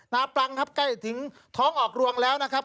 ปรังนะครับใกล้ถึงท้องออกรวงแล้วนะครับ